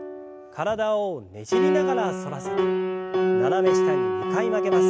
体をねじりながら反らせて斜め下に２回曲げます。